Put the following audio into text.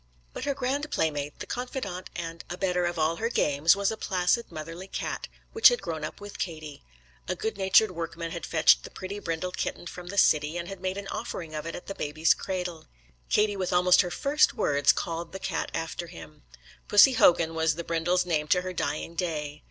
But her grand playmate, the confidant and abettor of all her games, was a placid motherly cat, which had grown up with Katie. A good natured workman had fetched the pretty brindled kitten from the city, and had made an offering of it at the baby's cradle. Katie with almost her first words called the cat after him. Pussy Hogan was the brindle's name to her dying day.